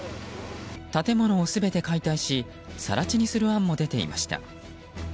建物を全て解体し更地にする案も出ていました。